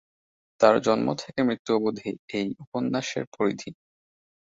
তার জন্ম থেকে মৃত্যু অবধি এই উপন্যাসের পরিধি।